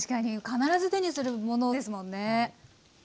必ず手にするものですもんね。